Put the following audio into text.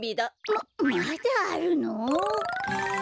ままだあるの？